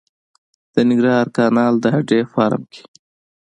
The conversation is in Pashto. د ننګرهار کانال د هډې فارم کې